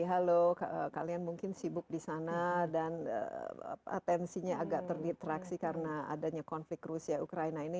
halo kalian mungkin sibuk di sana dan atensinya agak terditraksi karena adanya konflik rusia ukraina ini